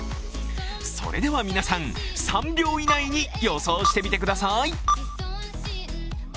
それでは皆さん、３秒以内に予想してみてください。